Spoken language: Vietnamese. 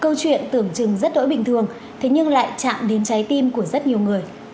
câu chuyện tưởng chừng rất đổi bình thường thế nhưng lại chạm đến trái tim của rất nhiều người